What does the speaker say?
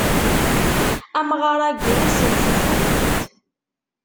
Amɣaṛ-agi issenfufud-itent.